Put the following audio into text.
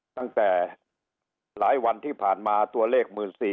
ตั้งแต่หลายวันที่ผ่านมาตัวเลข๑๔๐๐